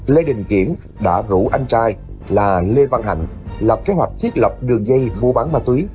lê đình kiểm đã rủ anh trai là lê văn hạnh lập kế hoạch thiết lập đường dây vô bắn ma túy